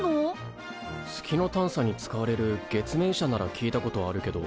月の探査に使われる月面車なら聞いたことあるけど。